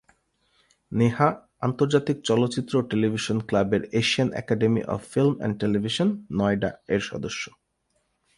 নেহা আন্তর্জাতিক চলচ্চিত্র ও টেলিভিশন ক্লাবের Asian academy of film and television, নয়ডা-এর সদস্য।